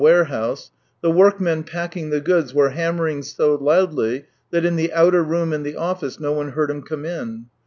warehouse, the workmen packing the goods were hammering so loudly that in the outer room and the office no one heard him come in.